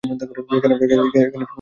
এখানে এসো, ফাজিল কোথাকার।